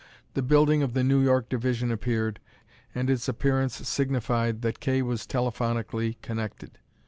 The building of the New York Division appeared, and its appearance signified that Kay was telephonically connected.